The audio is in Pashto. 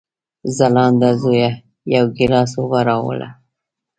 ځلانده زویه، یو ګیلاس اوبه راوړه!